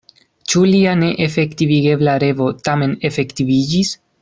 Ĉu lia neefektivigebla revo tamen efektiviĝis?